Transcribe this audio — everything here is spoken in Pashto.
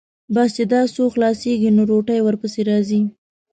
بس چې دا څو خلاصېږي، نو روټۍ ورپسې راځي.